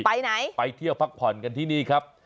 ไปไหนไปเที่ยวพักผ่อนกันที่นี่ครับ